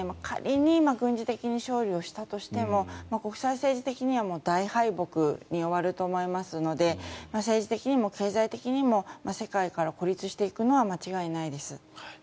仮に軍事的に勝利をしたとしても国際政治的には大敗北に終わると思いますので政治的にも経済的にも世界から孤立していくのは間違いないです。